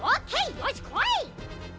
よしこい！